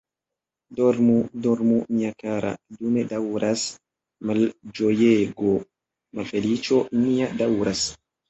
Dormu, dormu, mia kara, dume daŭras malĝojego, malfeliĉo nia daŭras.